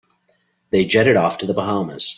They jetted off to the Bahamas.